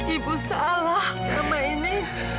ibu salah selama ini